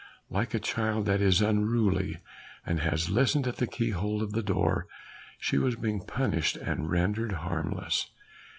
Like a child that is unruly and has listened at the keyhole of the door, she was being punished and rendered harmless.